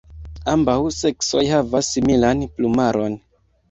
Ambaŭ seksoj havas similan plumaron.